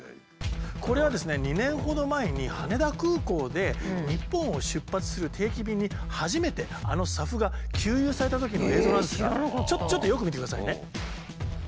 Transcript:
これは２年ほど前に羽田空港で日本を出発する定期便に初めてあのＳＡＦが給油されたときの映像なんですがちょっとよく見てくださいね。